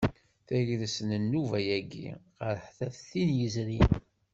Tagrest n nnuba-ayi qerrḥet ɣef tid yezrin.